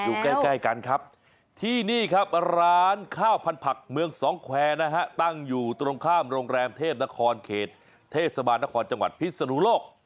อยู่ใกล้กันครับที่นี่ครับร้านข้าวพันผักเมืองสองแควร์นะฮะตั้งอยู่ตรงข้ามโรงแรมเทพนครเขตเทศบาลนครจังหวัดพิศนุโลก